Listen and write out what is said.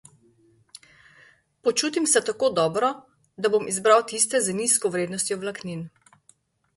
Počutim se tako dobro, da bom izbral tiste z nizko vrednostjo vlaknin.